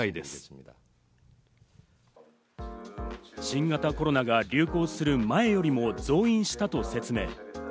新型コロナが流行する前よりも増員したと説明。